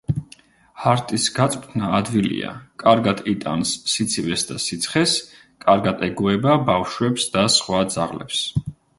ჰარტის გაწვრთნა ადვილია, კარგად იტანს სიცივეს და სიცხეს, კარგად ეგუება ბავშვებს და სხვა ძაღლებს.